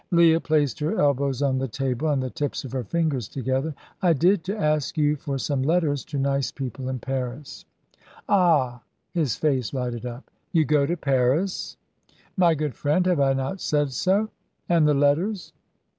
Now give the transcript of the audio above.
Leah placed her elbows on the table, and the tips of her fingers together. "I did, to ask you for some letters to nice people in Paris." "Ah!" His face lighted up. "You go to Paris?" "My good friend, have I not said so? And the letters?"